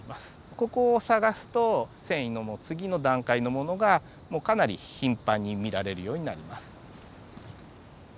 ここを探すと遷移のもう次の段階のものがかなり頻繁に見られるようになります。